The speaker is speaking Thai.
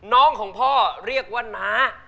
น้องของพ่อเรียกว่าน้า